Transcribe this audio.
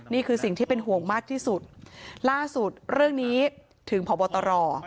นี่คือสิ่งที่เป็นห่วงมากที่สุดล่าสุดเรื่องนี้ถึงพบตร